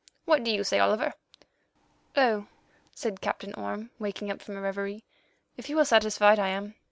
What do you say, Oliver?" "Oh!" said Captain Orme, waking up from a reverie, "if you are satisfied, I am.